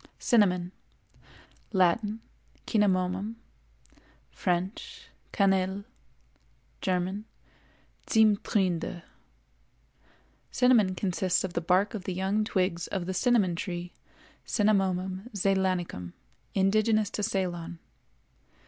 CINNAMON. Latin—Cinnamomum; French—Canelle; German—Zimmtrinde. Cinnamon consists of the bark of the young twigs of the cinnamon tree, Cinnamomum zeylanicum, indigenous to Ceylon.